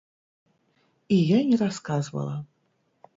І я не расказвала.